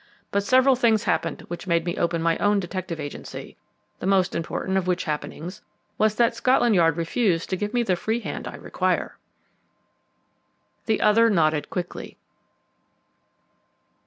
But several things happened which made me open my own detective agency, the most important of which happenings, was that Scotland Yard refused to give me the free hand I require!" The other nodded quickly.